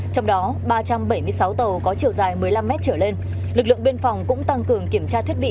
trong đó ba trăm bảy mươi sáu tàu có chiều dài một mươi năm mét trở lên lực lượng biên phòng cũng tăng cường kiểm tra thiết bị